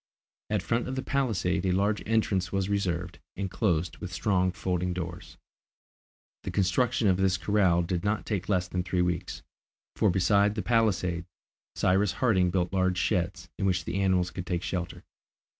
At the front of the palisade a large entrance was reserved, and closed with strong folding doors. The construction of this corral did not take less than three weeks, for besides the palisade, Cyrus Harding built large sheds, in which the animals could take shelter.